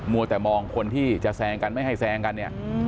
วัวแต่มองคนที่จะแซงกันไม่ให้แซงกันเนี่ย